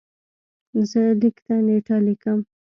زه لیک ته نېټه لیکم.